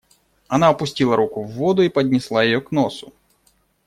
Она опустила руку в воду и поднесла ее к носу.